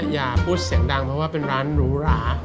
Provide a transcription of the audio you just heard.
อย่าพูดเสียงดังเพราะว่าเป็นร้านหรูหรา